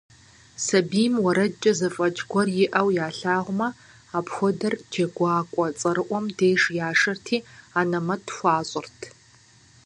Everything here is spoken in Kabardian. Сабийм уэрэдкӀэ зэфӀэкӀ гуэр иӀэу ялъагъумэ, апхуэдэр джэгуакӀуэ цӀэрыӀуэм деж яшэрти анэмэт хуащӀырт.